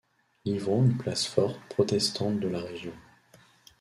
Livron une place forte protestante de la région.